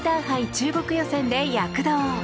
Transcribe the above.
中国予選で躍動。